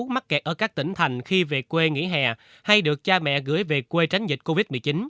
mắc kẹt ở các tỉnh thành khi về quê nghỉ hè hay được cha mẹ gửi về quê tránh dịch covid một mươi chín